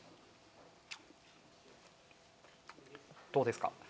どうですか？